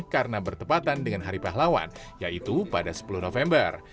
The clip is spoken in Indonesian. karena bertepatan dengan hari pahlawan yaitu pada sepuluh november